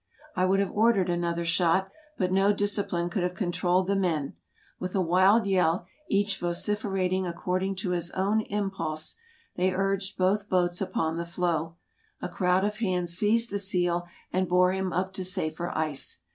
I would have ordered another shot, but no discipline could have controlled the men. With a wild yell, each vociferating according to his own impulse, they urged both boats upon the floe. A crowd of hands seized the seal and bore him up to safer ice.